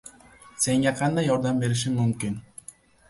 – Senga qanday yordam berishim mumkin?